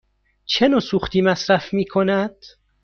چه نوع سوختی مصرف می کند؟